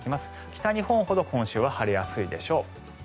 北日本ほど今週は晴れやすいでしょう。